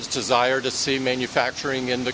kami berbicara tentang keinginan presiden